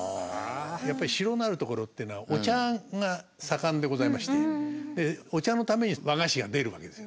やっぱり城のあるところというのはお茶が盛んでございましてお茶のために和菓子が出るわけですよ。